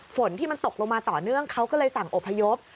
ฝนที่มันตกลงมาต่อเนื่องเขาก็เลยสั่งอบพยพ